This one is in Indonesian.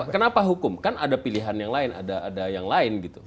kenapa hukum kan ada pilihan yang lain ada yang lain gitu